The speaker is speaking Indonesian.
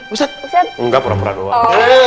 bisa enggak pura pura doang